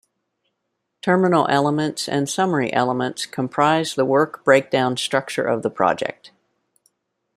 Terminal elements and summary elements comprise the work breakdown structure of the project.